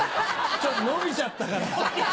ちょっと延びちゃったからさ。